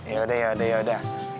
yaudah yaudah yaudah